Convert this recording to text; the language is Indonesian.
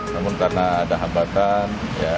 namun karena ada hambatan